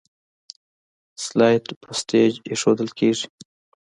سلایډ په سټیج ایښودل کیږي.